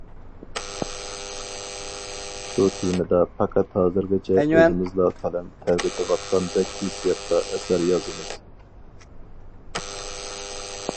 شۇ تېمىدا پەقەت ھازىرغىچە ئۆزىمىزلا قەلەم تەۋرىتىۋاتقاندەك ھېسسىياتتا ئەسەر يازىمىز.